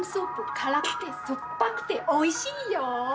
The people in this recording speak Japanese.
辛くて酸っぱくておいしいよ。